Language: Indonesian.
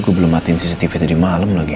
gue belum matiin cctv tadi malem lagi